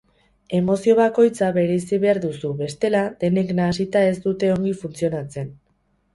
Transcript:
Emozio bakoitza bereizi behar duzu, bestela, denek nahasita ez dute ongi funtzionatzen.